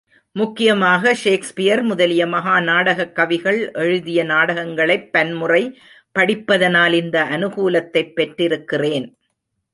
முக்கியமாக ஷேக்ஸ்பியர் முதலிய மஹா நாடகக் கவிகள் எழுதிய நாடகங்களைப் பன்முறை படிப்பதனால் இந்த அனுகூலத்தைப் பெற்றிருக்கிறேன்.